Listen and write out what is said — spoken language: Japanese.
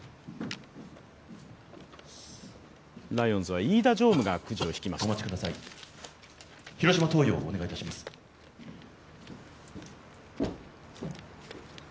ライオンズは飯田常務がくじを引きました。